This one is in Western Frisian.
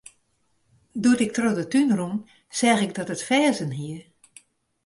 Doe't ik troch de tún rûn, seach ik dat it ferzen hie.